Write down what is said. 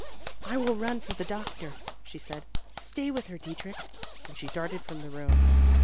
"I will run for the doctor," she said, "stay with her, Dietrich;" and she darted from the room.